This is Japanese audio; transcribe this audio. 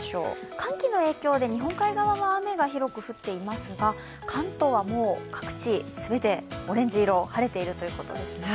寒気の影響で日本海側は雨が広く降っていますが関東はもう各地、全てオレンジ色晴れているということですね。